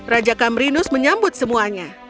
raja kamrinus menyambut semuanya